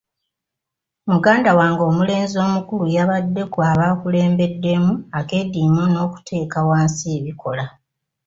Muganda wange omulenzi omukulu yabadde ku abaakulembeddemu akeediimo k'okuteeka wansi ebikola.